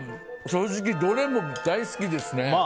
正直どれも大好きですね。